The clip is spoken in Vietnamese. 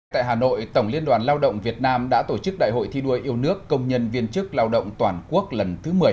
tại hà nội tổng liên đoàn lao động việt nam đã tổ chức đại hội thi đua yêu nước công nhân viên chức lao động toàn quốc lần thứ một mươi